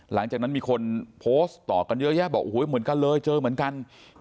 หลังจากนั้นมีคนโพสต์ต่อกันเยอะแยะบอกโอ้โหเหมือนกันเลยเจอเหมือนกัน